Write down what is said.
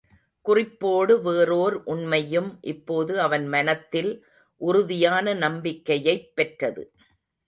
குறிப்போடு வேறோர் உண்மையும் இப்போது அவன் மனத்தில் உறுதியான நம்பிக்கையைப் பெற்றது.